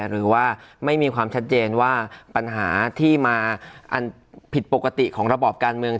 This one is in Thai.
หรือว่าไม่มีความชัดเจนว่าปัญหาที่มาอันผิดปกติของระบอบการเมือง